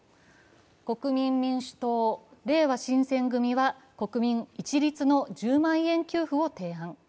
国民民主党、れいわ新選組は国民一律の１０万円給付を提案。